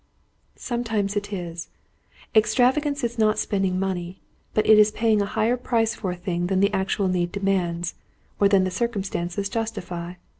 "Sometimes it is. Extravagance is not spending money. But it is paying a higher price for a thing than the actual need demands, or than the circumstances justify.